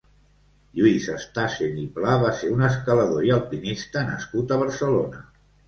Lluís Estasen i Pla va ser un escalador i alpinista nascut a Barcelona.